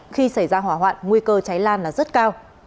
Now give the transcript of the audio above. khi xảy ra hỏa hoạn nguy cơ cháy lan là rất cao